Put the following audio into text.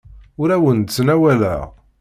Ur awen-d-ttnawaleɣ.